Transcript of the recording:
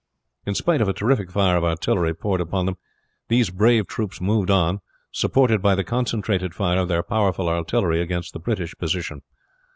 In spite of a terrific fire of artillery poured upon them these brave troops moved on, supported by the concentrated fire of their powerful artillery against the British position.